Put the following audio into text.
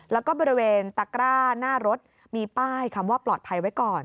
แล้วก็บริเวณตะกร้าหน้ารถมีป้ายคำว่าปลอดภัยไว้ก่อน